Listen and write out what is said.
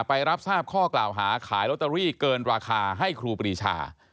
ไปรับทราบข้อกล่าวหาขายลอตเตอรี่เกินราคาให้ครูปรีชา